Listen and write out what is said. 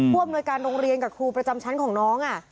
อำนวยการโรงเรียนกับครูประจำชั้นของน้อง